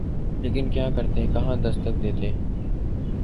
لیکن کیا کرتے، کہاں دستک دیتے؟